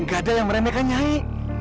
gak ada yang meremehkan nyanyi